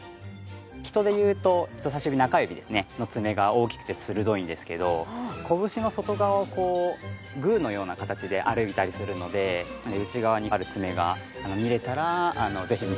人でいうと人さし指中指の爪が大きくて鋭いんですけど拳の外側をグーのような形で歩いたりするので内側にある爪が見れたらぜひ見て頂きたいですね。